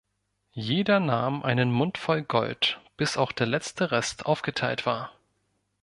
Jeder nahm einen Mund voll Gold, bis auch der letzte Rest aufgeteilt war.